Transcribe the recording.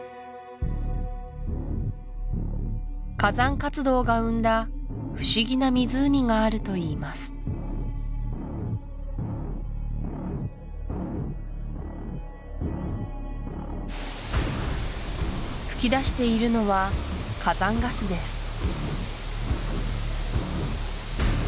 火山活動が生んだ不思議な湖があるといいます噴き出しているのは火山ガスです